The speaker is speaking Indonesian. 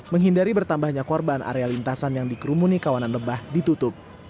menghindari bertambahnya korban area lintasan yang dikerumuni kawanan lebah ditutup